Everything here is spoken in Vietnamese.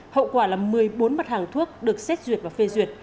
hậu quả là một mươi bốn mặt hàng thuốc được xét duyệt và phê duyệt